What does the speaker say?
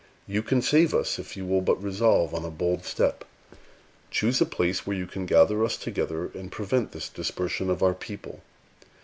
"You can save us, if you will but resolve on a bold step. Choose a place where you can gather us together, and prevent this dispersion of our people.